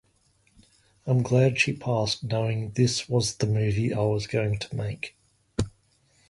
I'm glad she passed knowing this was the movie I was going to make.